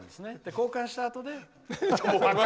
交換したあとで。